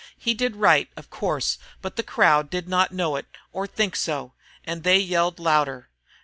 He did right, of course, but the crowd did not know it or think so. And they yelled louder.